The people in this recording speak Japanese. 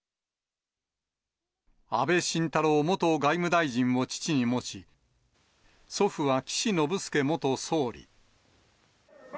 安倍晋太郎元外務大臣を父に持ち、祖父は岸信介元総理。